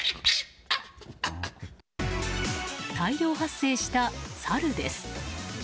大量発生したサルです。